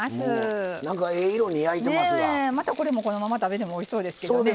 また、これもこのまま食べてもおいしそうですけどね。